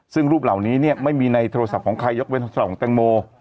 ซึ่งรูปเหล่านี้เนี่ยไม่มีในโทรศัพท์ของใครยกเว้นโทรศัพท์ของแตงโม